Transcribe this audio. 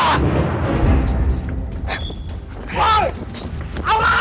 terus kita nyari kemana lagi dong